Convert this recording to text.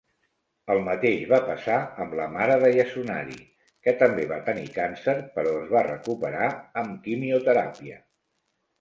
El mateix va passar amb la mare de Yasunari, que també va tenir càncer però es va recuperar amb quimioteràpia.